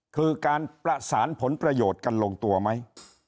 คือการประสานผลประโยชน์กันลงตัวไหม